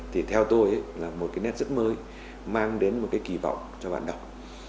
thì theo tôi là một cái nét rất mới mang đến một cái kỳ vọng cho bạn đọc